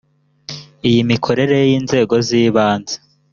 iv imikorere y inzego z ibanze